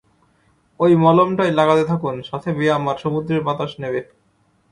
ওই মলমটাই লাগাতে থাকুন, সাথে ব্যায়াম আর সমুদ্রের বাতাস নেবে।